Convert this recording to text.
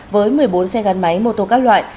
với một mươi bốn xe gắn máy mô tô các loại